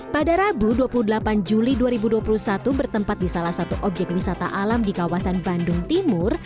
pada rabu dua puluh delapan juli dua ribu dua puluh satu bertempat di salah satu objek wisata alam di kawasan bandung timur